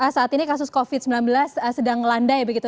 saat ini kasus covid sembilan belas sedang landai begitu